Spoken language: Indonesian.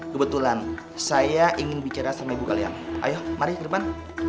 kebetulan saya ingin bicara sama ibu kalian ayo mari ke depan